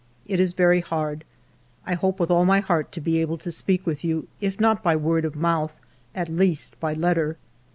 It is very hard. I hope with all my heart to be able to speak with you, if not by word of mouth, at least by letter.